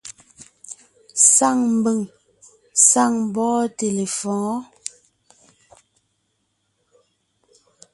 Saŋ mbʉ̀ŋ, saŋ mbɔ́ɔnte lefɔ̌ɔn.